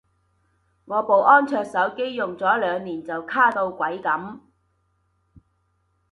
我部安卓手機用咗兩年就卡到鬼噉